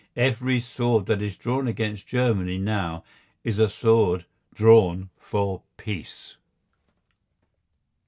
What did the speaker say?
Every sword that is drawn against Germany now is a sword drawn for peace.